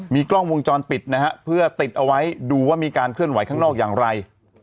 มีกล้องวงจรปิดนะฮะเพื่อติดเอาไว้ดูว่ามีการเคลื่อนไหวข้างนอกอย่างไร